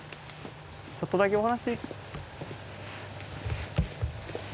ちょっとだけお話。